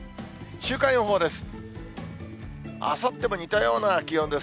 週間予報です。